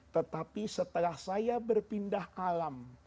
tetapi setelah saya berpindah alam